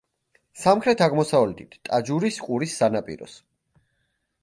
სამხრეთ-აღმოსავლეთით ტაჯურის ყურის სანაპიროს.